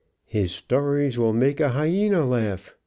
"His stories will make a hyena laugh."